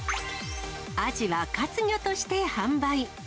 アジは活魚として販売。